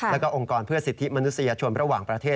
แล้วก็องค์กรเพื่อสิทธิมนุษยชนระหว่างประเทศ